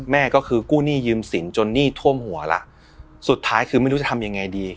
แม่ก็คือกู้หนี้ยืมสินจนหนี้ท่วมหัวละสุดท้ายคือไม่รู้จะทำยังไงดี